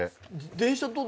電車。